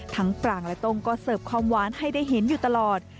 ปรางและต้งก็เสิร์ฟความหวานให้ได้เห็นอยู่ตลอด